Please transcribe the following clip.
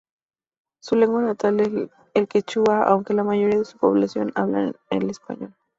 Su lengua natal es el quechua, aunque la mayoría de su población hablan el Español